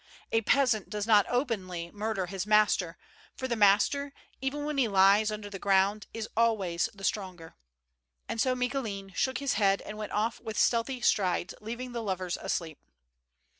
A peasant does not openly murder his master, for the master, even when he lies under the ground, is always the stronger. And so Micoulin shook his head and went off with stealthy strides, leaving the lovers asleep.